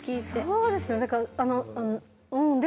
そうですねだからあの。